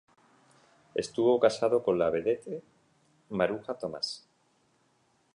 Estuvo casado con la vedette Maruja Tomás.